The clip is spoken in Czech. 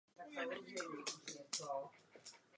Proto jsou také v současnosti nejvíce rozšířeny.